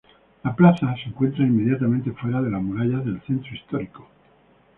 La plaza se encuentra inmediatamente fuera de las murallas del centro histórico.